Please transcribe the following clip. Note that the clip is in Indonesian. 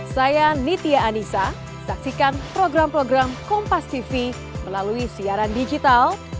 saya nitia anissa saksikan program program kompas tv melalui siaran digital